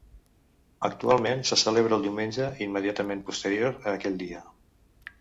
Actualment se celebra el diumenge immediatament posterior a aquell dia.